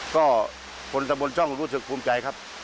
ก็คนตะบนช่องรู้สึกภูมิใจครับ